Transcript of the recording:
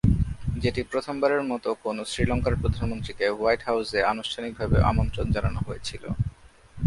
যেটি প্রথমবারের মতো কোনও শ্রীলঙ্কার প্রধানমন্ত্রীকে হোয়াইট হাউসে আনুষ্ঠানিকভাবে আমন্ত্রণ জানানো হয়েছিল।